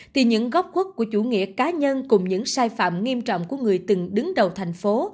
thì những góc khuất của chủ nghĩa cá nhân cùng những sai phạm nghiêm trọng của người từng đứng đầu thành phố